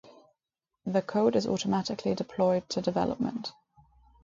The code is automatically deployed to development